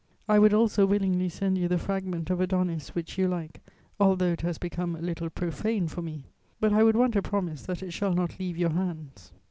I would also willingly send you the fragment of Adonis which you like, although it has become a little profane for me; but I would want a promise that it shall not leave your hands....